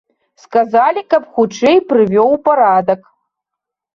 Сказалі, каб хутчэй прывёў у парадак.